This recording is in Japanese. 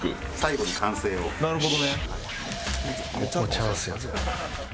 チャンスやぞ。